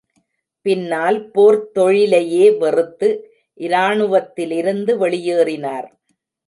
பின்னால் போர்த் தொழிலையே வெறுத்து இராணுவத்திலிருந்து வெளியேறினார்.